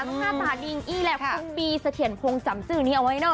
ต้องหน้าตาดีอี้แหละคุ้มบีสะเทียนพวงจำจือนี่เอาไว้เนอะ